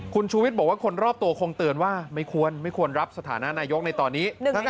คุณชูวิทย์บอกว่าคนรอบตัวคงเตือนว่าไม่ควรรับสถานะนายกในตอนนี้